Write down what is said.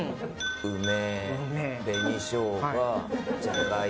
梅紅しょうが